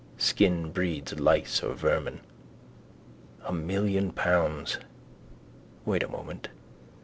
Skin breeds lice or vermin. A million pounds, wait a moment.